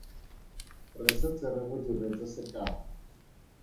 Re setse re go diretse sekao.